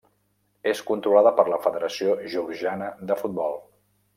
És controlada per la Federació Georgiana de Futbol.